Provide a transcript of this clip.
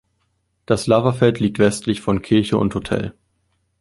Das Lavafeld liegt westlich von Kirche und Hotel.